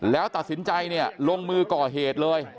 แล้วตัดสินใจเนี่ยลงมือก่อเหตุเลย